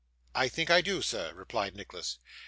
'I think I do, sir,' replied Nicholas.